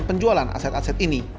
penjualan aset aset ini